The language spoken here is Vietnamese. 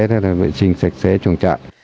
thế là vệ sinh sạch sẽ chuồng trại